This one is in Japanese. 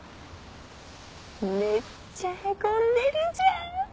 めっちゃへこんでるじゃん！